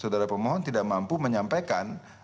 saudara pemohon tidak mampu menyampaikan